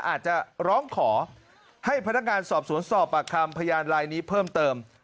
อาจจะร้องขอให้พนักงานสอบสวนสอบปากคำพยานลายนี้เพิ่มเติม